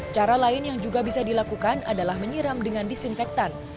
cara lain yang juga bisa dilakukan adalah menyiram dengan disinfektan